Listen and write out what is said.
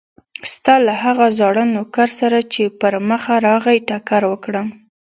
ستا له هغه زاړه نوکر سره چې پر مخه راغی ټکر وکړم.